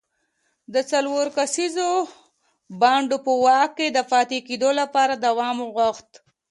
د څلور کسیز بانډ په واک کې د پاتې کېدو لپاره دوام غوښت.